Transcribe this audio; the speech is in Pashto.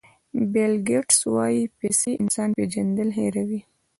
بیل ګېټس وایي پیسې انسان پېژندل هیروي.